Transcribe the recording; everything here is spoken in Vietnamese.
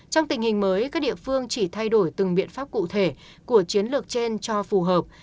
trong tình hình mới các địa phương chỉ thay đổi từng biện pháp cụ thể của chiến lược trên cho phù hợp